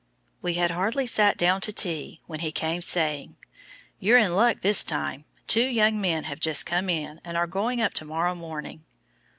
We had hardly sat down to tea when he came, saying "You're in luck this time; two young men have just come in and are going up to morrow morning."